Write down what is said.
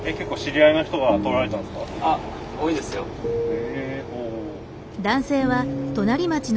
へえ。